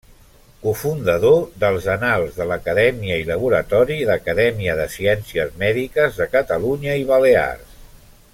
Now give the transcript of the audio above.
Cofundador dels annals de l'Acadèmia i laboratori d'Acadèmia de Ciències Mèdiques de Catalunya i Balears.